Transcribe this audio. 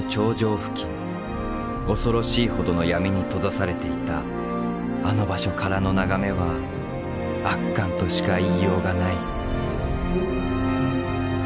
恐ろしいほどの闇に閉ざされていたあの場所からの眺めは圧巻としか言いようがない。